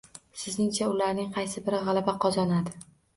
Sizningcha, ularning qaysi biri gʻalaba qozonadi